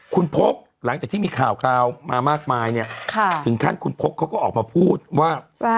คุณพกหลังจากที่มีข่าวมามากมายเนี่ยถึงขั้นคุณพกเขาก็ออกมาพูดว่า